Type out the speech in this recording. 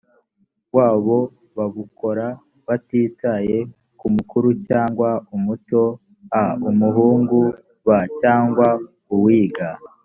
wabo babukora batitaye ku mukuru cyangwa umuto a umuhanga b cyangwa uwiga